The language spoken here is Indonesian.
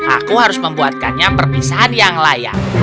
aku harus membuatkannya perpisahan yang layak